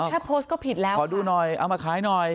แค่โพสต์ก็ผิดแล้วขอดูหน่อยเอามาขายหน่อย